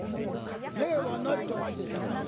「銘はないとか言ったな」。